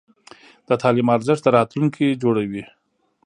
د تعلیم ارزښت د راتلونکي جوړوي.